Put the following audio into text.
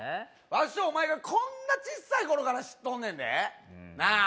わしお前がこんなちっさい頃から知っとんねんでなあ